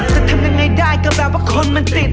จะทำยังไงได้ก็แปลว่าคนมันติด